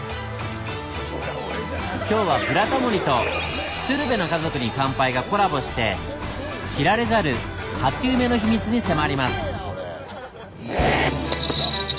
今日は「ブラタモリ」と「鶴瓶の家族に乾杯」がコラボして知られざる初夢の秘密に迫ります。